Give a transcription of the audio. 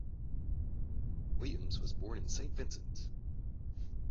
Williams was born in Saint Vincent.